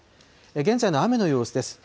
現在の雨の様子です。